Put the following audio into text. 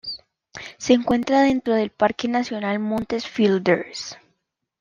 Se encuentra dentro del Parque Nacional Montes Flinders.